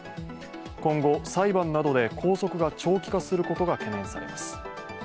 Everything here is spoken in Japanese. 今後、裁判などで拘束が長期化することが懸念されます。